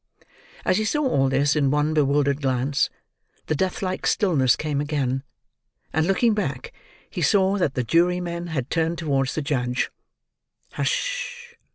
As he saw all this in one bewildered glance, the deathlike stillness came again, and looking back he saw that the jurymen had turned towards the judge. Hush!